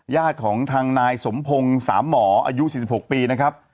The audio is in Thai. ญาติของทางนายสมพงศ์สามหมออายุ๔๖ปีนะครับ